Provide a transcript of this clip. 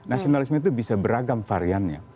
nasionalisme itu bisa beragam variannya